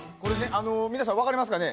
あの皆さん分かりますかね？